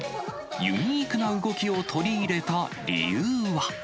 ユニークな動きを取り入れた理由は。